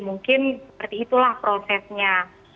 mungkin seperti itulah prosesnya